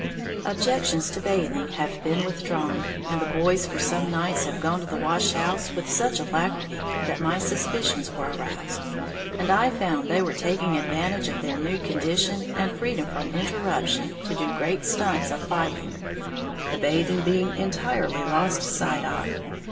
Objections to bathing have been withdrawn, and the boys for some nights have gone to the wash house with such alacrity that my suspicions were aroused, and I found they were taking advantage of their nude condition, and freedom from interruption, to do great stunts of fighting, the bathing being entirely lost sight of.